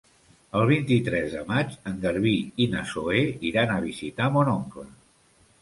El vint-i-tres de maig en Garbí i na Zoè iran a visitar mon oncle.